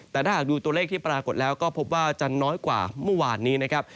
แต่ถ้าหากดูตัวเลขที่ปรากฏแล้วก็พบว่าจะน้อยกว่าเมื่อวานนี้นะครับ